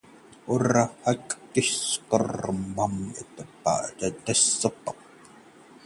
जायसवाल बोले, लापता फाइलों का पता लगाने में कोई कसर नहीं छोडेंगे